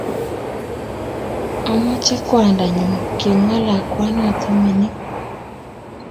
Omoche kwandanyu kimwa lakwanoto mining